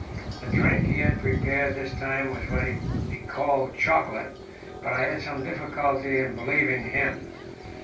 The drink he had prepared this time was what he called chocolate, but I had some difficulty in believing him.